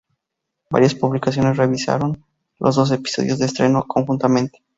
Varias publicaciones revisaron los dos episodios de estreno conjuntamente.